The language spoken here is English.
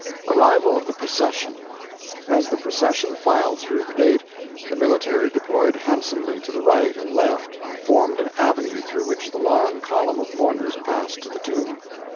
ARRIVAL OF THE PROCESSION As the procession filed through the gate, the military deployed handsomely to the right and left and formed an avenue through which the long column of mourners passed to the tomb.